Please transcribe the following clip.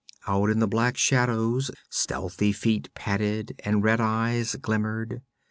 Out in the black shadows stealthy feet padded and red eyes glimmered.